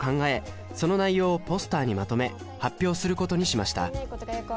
その内容をポスターにまとめ発表することにしました